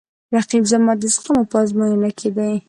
رقیب زما د زغم په ازموینه کې دی